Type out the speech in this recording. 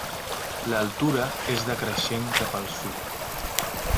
L'altura és decreixent cap al sud.